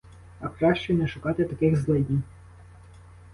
А краще не шукати таких злиднів!